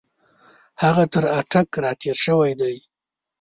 هغه تر اټک را تېر شوی دی.